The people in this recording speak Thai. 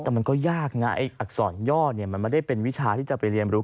แต่มันก็ยากนะไอ้อักษรย่อเนี่ยมันไม่ได้เป็นวิชาที่จะไปเรียนรู้